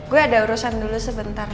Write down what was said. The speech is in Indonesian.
gue ada urusan dulu sebentar